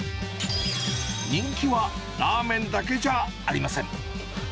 人気はラーメンだけじゃありません。